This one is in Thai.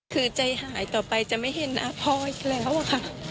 คือใจหายต่อไปจะไม่เห็นหน้าพ่ออีกแล้วอะค่ะ